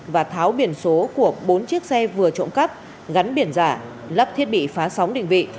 và tháo biển số của bốn chiếc xe vừa trộm cắp gắn biển giả lắp thiết bị phá sóng định vị